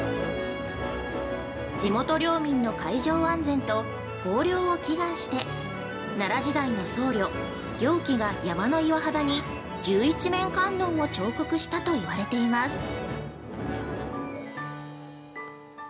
地元漁民の海上安全と豊漁を祈願して、奈良時代の僧侶行基が山の岩肌に十一面観音を彫刻したと言われています。